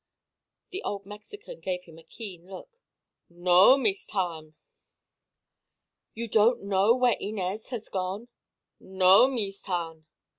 The old Mexican gave him a keen look. "No, Meest Hahn." "You don't know where Inez has gone?" "No, Meest Hahn."